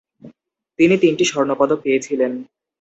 তিনি তিনটি স্বর্ণপদক পেয়েছিলেন।